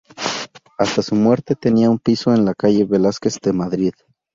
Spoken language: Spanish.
Hasta su muerte, tenía un piso en la calle Velázquez de Madrid.